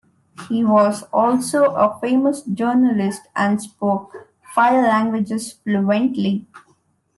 He was also a famous journalist and spoke five languages fluently.